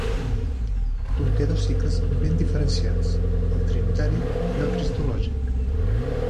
Conté dos cicles ben diferenciats: el trinitari i el cristològic.